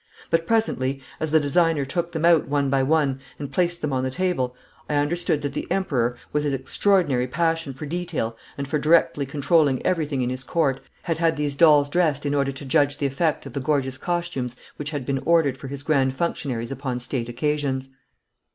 But presently, as the designer took them out one by one and placed them on the table, I understood that the Emperor, with his extraordinary passion for detail and for directly controlling everything in his Court, had had these dolls dressed in order to judge the effect of the gorgeous costumes which had been ordered for his grand functionaries upon State occasions.